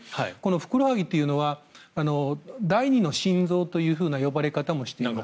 ふくらはぎというのは第２の心臓という呼ばれ方もしています。